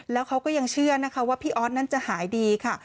แล้วเขาก็ยังเชื่อนะคะว่าพี่ออสนั้นจะหายดีค่ะ